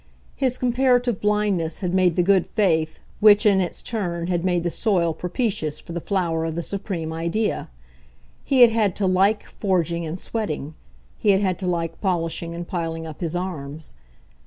His comparative blindness had made the good faith, which in its turn had made the soil propitious for the flower of the supreme idea. He had had to LIKE forging and sweating, he had had to like polishing and piling up his arms.